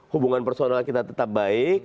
hubungan personal kita tetap baik